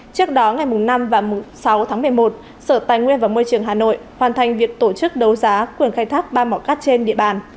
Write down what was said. trước đó ngày năm và sáu tháng một mươi một sở tài nguyên và môi trường hà nội hoàn thành việc tổ chức đấu giá quyền khai thác ba mỏ cát trên địa bàn